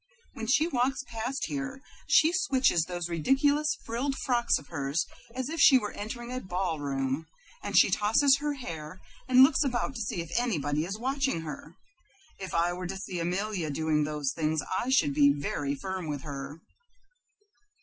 "When she walks past here she switches those ridiculous frilled frocks of hers as if she were entering a ballroom, and she tosses her head and looks about to see if anybody is watching her. If I were to see Amelia doing such things I should be very firm with her."